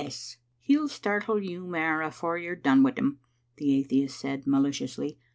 " He'll startle you mair afore you're done wi' him," the atheist said maliciously.